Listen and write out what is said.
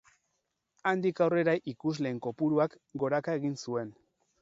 Handik aurrera ikusleen kopuruak goraka egin zuen.